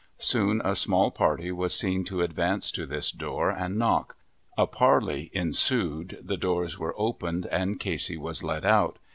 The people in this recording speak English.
Soon a small party was seen to advance to this door, and knock; a parley ensued, the doors were opened, and Casey was led out.